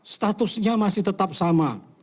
statusnya masih tetap sama